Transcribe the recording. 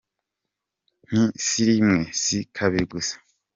Nti si rimwe, si kabiri gusa.